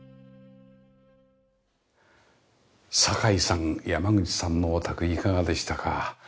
酒井さん山口さんのお宅いかがでしたか？